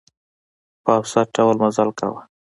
په اوسط ډول مزل کاوه.